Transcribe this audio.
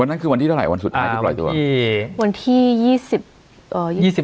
วันนั้นคือวันที่เท่าไหร่วันสุดท้ายที่ปล่อยตัว